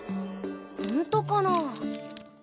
ほんとかなあ？